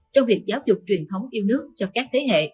trong việc giáo dục truyền thống yêu nước cho các thế hệ